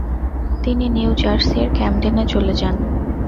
তিনি নিউ জার্সির ক্যামডেনে চলে যান।